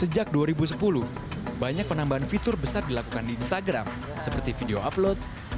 sejak dua ribu sepuluh banyak penambahan fitur besar dilakukan di instagram seperti video upload